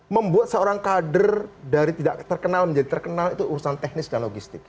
membuat seorang kader dari tidak terkenal menjadi terkenal itu urusan teknis dan logistik